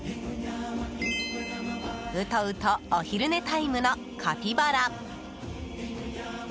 うとうとお昼寝タイムのカピバラ。